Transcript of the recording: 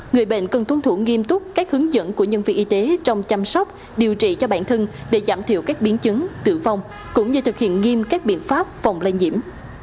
người bệnh cần tuân thủ nghiêm túc các hướng dẫn của nhân viên y tế trong chăm sóc điều trị cho bản thân để giảm thiểu các biến chứng tử vong cũng như thực hiện nghiêm các biện pháp phòng lây nhiễm